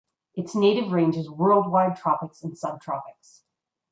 Its native range is worldwide tropics and subtropics.